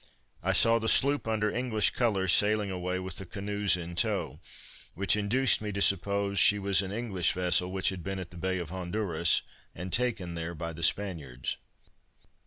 I saw the sloop under English colors sailing away with the canoes in tow, which induced me to suppose she was an English vessel which had been at the Bay of Honduras, and taken there by the Spaniards.